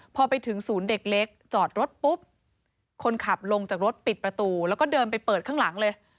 พอไปถึงศูนย์เด็กเล็กจอดรถปุ๊บคนขับลงจากรถปิดประตูแล้วก็เดินไปเปิดข้างหลังเลย